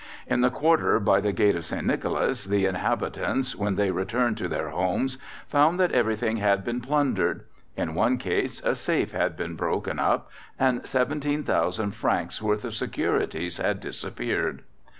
In the quarter by the Gate of St. Nicolas the inhabitants, when they returned to their homes, found that everything had been plundered; in one case a safe had been broken up and 17,000 francs worth of securities had disappeared.